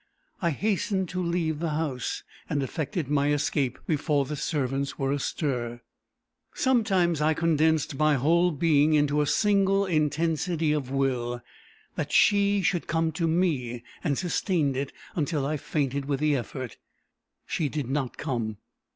I hastened to leave the house, and effected my escape before the servants were astir. Sometimes I condensed my whole being into a single intensity of will that she should come to me; and sustained it, until I fainted with the effort. She did not come.